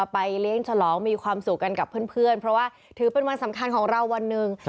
เลี้ยงฉลองมีความสุขกันกับเพื่อนเพราะว่าถือเป็นวันสำคัญของเราวันหนึ่ง